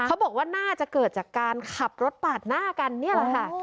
เขาบอกว่าน่าจะเกิดจากการขับรถปาดหน้ากันนี่แหละค่ะ